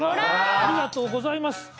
ありがとうございます。